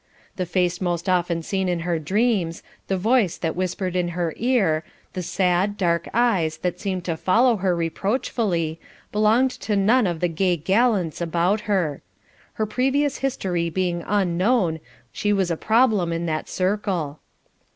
The face most often seen in her dreams; the voice that whispered in her ear; the sad dark eyes that seemed to follow her reproachfully, belonged to none of the gay gallants about her. Her previous history being unknown she was a problem in that circle.